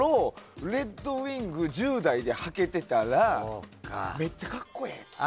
レッドウィング１０代で履けてたらめっちゃ格好ええとか。